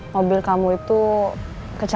mobil kamu itu kecacatan